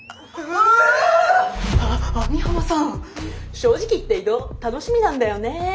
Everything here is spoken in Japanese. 正直言って異動楽しみなんだよね。